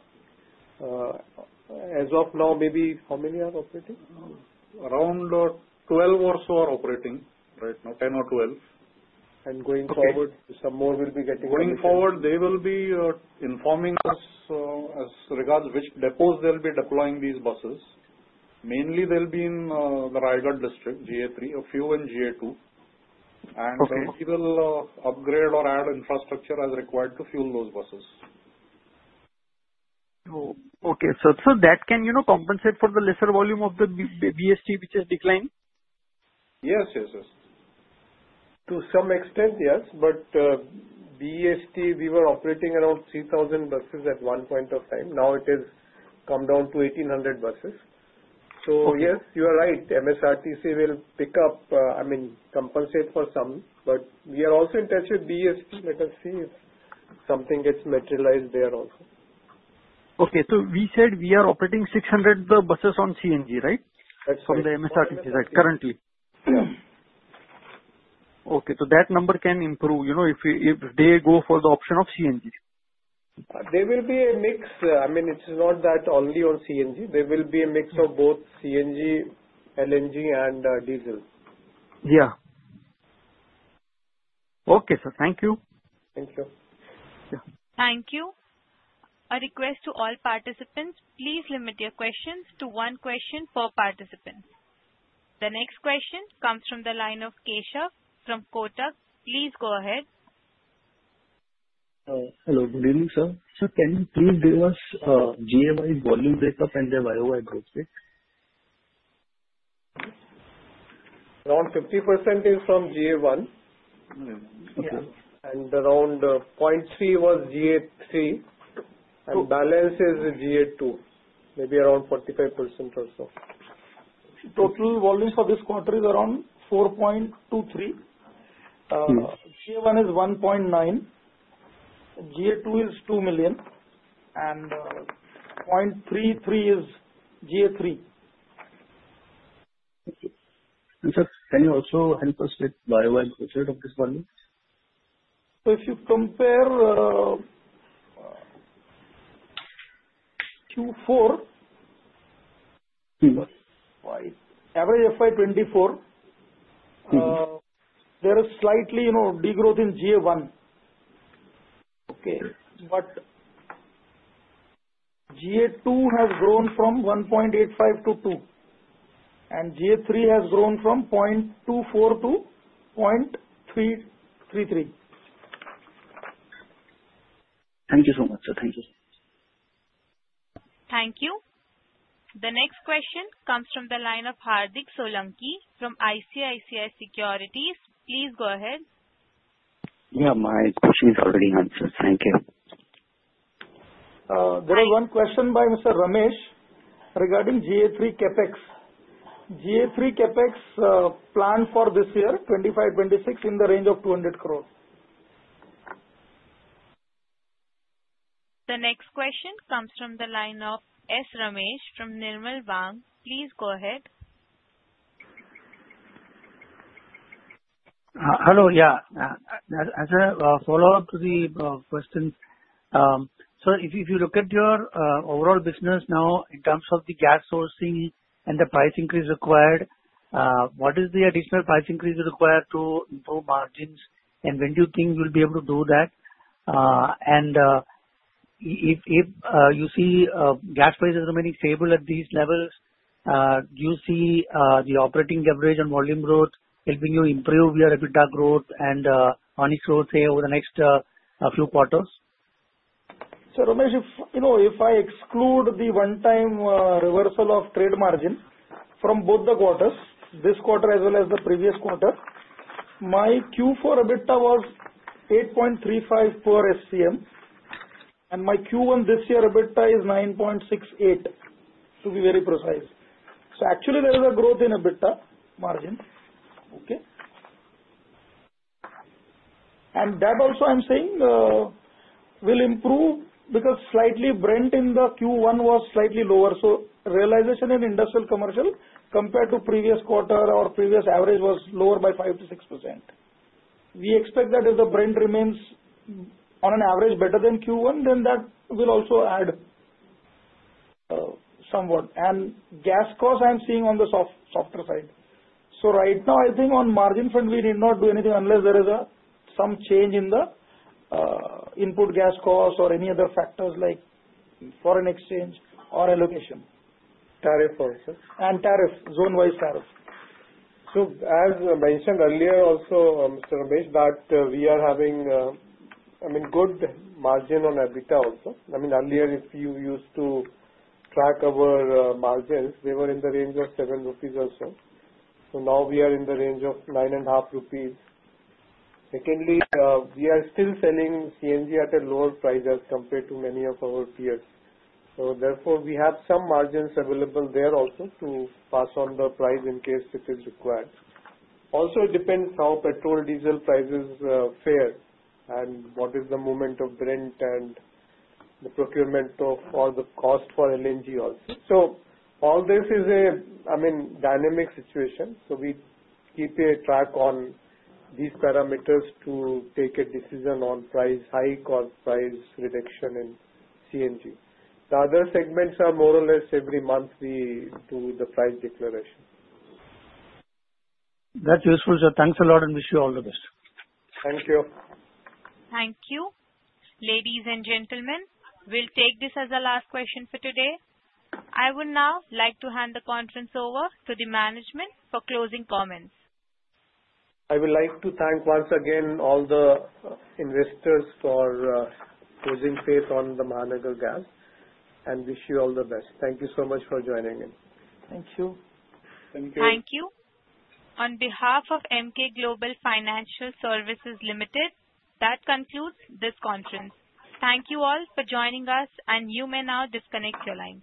As of now, maybe how many are operating? Around 12 or so are operating right now, 10 or 12. Going forward, some more will be getting added? Going forward, they will be informing us as regards which depots they'll be deploying these buses. Mainly, they'll be in the Raigad district, GA3, a few in GA2, and we will upgrade or add infrastructure as required to fuel those buses. Okay, so that can compensate for the lesser volume of the BEST, which is declining? Yes, yes, yes. To some extent, yes. But BEST, we were operating around 3,000 buses at one point of time. Now it has come down to 1,800 buses. So yes, you are right. MSRTC will pick up, I mean, compensate for some. But we are also in touch with BEST. Let us see if something gets materialized there also. Okay. So we said we are operating 600 buses on CNG, right? That's correct. From the MSRTC side currently? Yeah. Okay. So that number can improve if they go for the option of CNG? There will be a mix. I mean, it's not that only on CNG. There will be a mix of both CNG, LNG, and diesel. Yeah. Okay, sir. Thank you. Thank you. Thank you. A request to all participants, please limit your questions to one question per participant. The next question comes from the line of Keshav from Kotak. Please go ahead. Hello. Good evening, sir. Sir, can you please give us GA1 volume breakup and the YoY growth rate? Around 50% is from GA1. Around 0.3% was GA3. Balance is GA2, maybe around 45% or so. Total volume for this quarter is around 4.23. GA1 is 1.9. GA2 is 2 million, and 0.33 is GA3. Thank you. And sir, can you also help us with YoY growth rate of this volume? So if you compare Q4 average FY 2024, there is slightly degrowth in GA1. But GA2 has grown from 1.85 to 2. And GA3 has grown from 0.24 to 0.33. Thank you so much, sir. Thank you. Thank you. The next question comes from the line of Hardik Solanki from ICICI Securities. Please go ahead. Yeah. My question is already answered. Thank you. There is one question by Mr. Ramesh regarding GA3 CapEx. GA3 CapEx planned for this year, 2025, 2026 in the range of 200 crore. The next question comes from the line of S. Ramesh from Nirmal Bang. Please go ahead. Hello. Yeah. As a follow-up to the question, sir, if you look at your overall business now in terms of the gas sourcing and the price increase required, what is the additional price increase required to improve margins? And when do you think you'll be able to do that? And if you see gas prices remaining stable at these levels, do you see the operating leverage and volume growth helping you improve your EBITDA growth and earnings growth, say, over the next few quarters? Sir, Ramesh, if I exclude the one-time reversal of trade margin from both the quarters, this quarter as well as the previous quarter, my Q4 EBITDA was 8.35 per SCM, and my Q1 this year EBITDA is 9.68, to be very precise, so actually, there is a growth in EBITDA margin, okay? And that also, I'm saying, will improve because slightly Brent in the Q1 was slightly lower, so realization in industrial commercial compared to previous quarter or previous average was lower by 5%-6%. We expect that if the Brent remains on an average better than Q1, then that will also add somewhat, and gas cost, I'm seeing on the softer side, so right now, I think on margin front, we need not do anything unless there is some change in the input gas cost or any other factors like foreign exchange or allocation. Tariff also. And tariff, zone-wise tariff. So as mentioned earlier also, Mr. Ramesh, that we are having, I mean, good margin on EBITDA also. I mean, earlier, if you used to track our margins, they were in the range of 7 rupees also. So now we are in the range of 9.5 rupees. Secondly, we are still selling CNG at a lower price as compared to many of our peers. So therefore, we have some margins available there also to pass on the price in case it is required. Also, it depends how petrol diesel prices fare and what is the movement of Brent and the procurement of all the cost for LNG also. So all this is a, I mean, dynamic situation. So we keep a track on these parameters to take a decision on price hike or price reduction in CNG. The other segments are more or less every month we do the price declaration. That's useful, sir. Thanks a lot and wish you all the best. Thank you. Thank you. Ladies and gentlemen, we'll take this as the last question for today. I would now like to hand the conference over to the management for closing comments. I would like to thank once again all the investors for putting faith on the Mahanagar Gas and wish you all the best. Thank you so much for joining in. Thank you. Thank you. Thank you. On behalf of Emkay Global Financial Services Limited, that concludes this conference. Thank you all for joining us, and you may now disconnect your lines.